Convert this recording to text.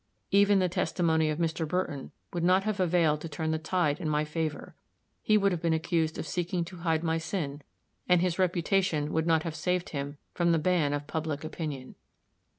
Even the testimony of Mr. Burton would not have availed to turn the tide in my favor; he would have been accused of seeking to hide my sin, and his reputation would not have saved him from the ban of public opinion.